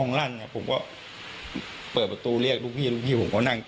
ครอนร่างนี้ผมก็เปิดประตูเรียกรุ่งพี่ลูกนี่